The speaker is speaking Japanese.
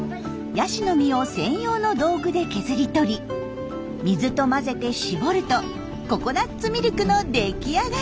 ヤシの実を専用の道具で削り取り水と混ぜて搾るとココナツミルクの出来上がり。